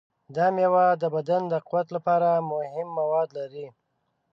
دا میوه د بدن د قوت لپاره مهم مواد لري.